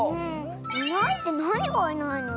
いないってなにがいないの？